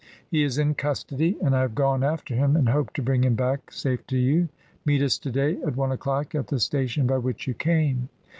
He is in custody, and I have gone after him, and hope to bring him hack safe to you. Meet us to day at one o'clock at the station by which you came.